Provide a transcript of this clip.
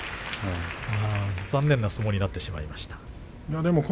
残念な相撲になってしまいました。